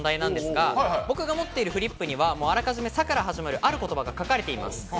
僕が持っているフリップには、あらかじめ、「サ」から始まるある言葉が書かれています。